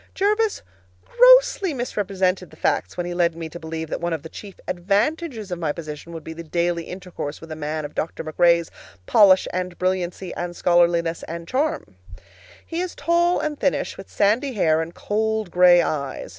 Jervis grossly misrepresented the facts when he led me to believe that one of the chief advantages of my position would be the daily intercourse with a man of Dr. MacRae's polish and brilliancy and scholarliness and charm. He is tall and thinnish, with sandy hair and cold gray eyes.